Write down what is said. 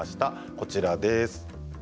こちらです。